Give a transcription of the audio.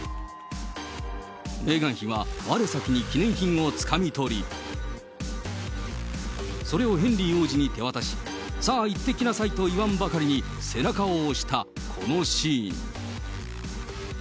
メーガン妃はわれ先に記念品をつかみ取り、それをヘンリー王子に手渡し、さあ行ってきなさいと言わんばかりに背中を押したこのシーン。